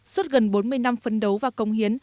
suốt gần bốn mươi năm phấn đấu và công hiến